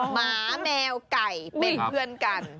หมาแมวไก่เป็นเพื่อนกัน